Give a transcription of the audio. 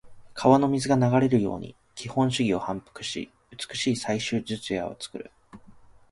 川の水が流れるように基本手技を反復し、美しい最終術野を作る。